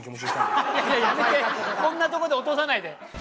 こんなとこで落とさないで。